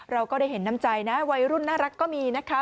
เราก็ได้เห็นน้ำใจนะวัยรุ่นน่ารักก็มีนะคะ